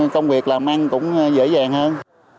công việc làm ăn cũng dễ dàng hơn